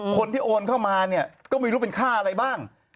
คนที่โอนเข้ามาเนี่ยก็ไม่รู้เป็นค่าอะไรบ้าง